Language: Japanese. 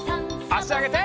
あしあげて。